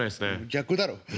逆だろ。